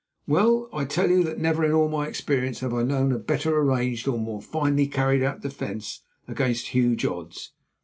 Well, I tell you that never in all my experience have I known a better arranged or a more finely carried out defence against huge odds.